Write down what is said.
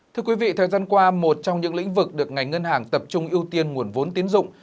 thưa quý vị thời gian qua một trong những lĩnh vực được ngành ngân hàng tập trung ưu tiên nguồn vốn tiến dụng